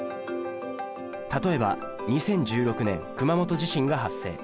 例えば２０１６年熊本地震が発生。